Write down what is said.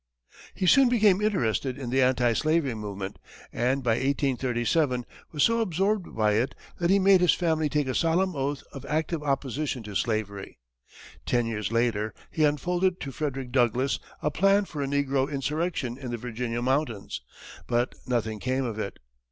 He soon became interested in the anti slavery movement, and, by 1837, was so absorbed by it that he made his family take a solemn oath of active opposition to slavery. Ten years later, he unfolded to Frederick Douglass a plan for a negro insurrection in the Virginia mountains, but nothing came of it.